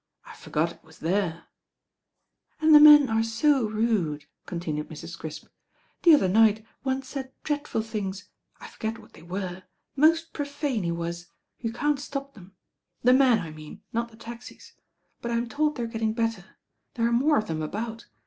I for got it was there " "And the men are so rude," continued Mrs. Crisp. "The other night one said dreadful things. I forget what they were. Most profane he was. You can't stop them. The men I mean, not the taxis. But I'm told they're getting better. There are more of them about.